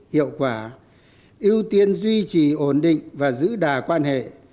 hiệu quả ưu tiên duy trì ổn định và giữ đà quan hệ